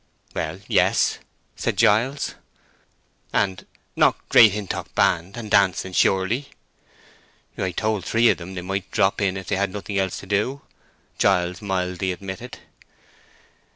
"Well, yes," said Giles. "And—not Great Hintock band, and dancing, surely?" "I told three of 'em they might drop in if they'd nothing else to do," Giles mildly admitted.